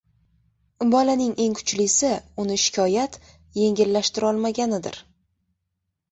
bolaning eng kuchlisi uni shikoyat yengillashtirolmaganidir.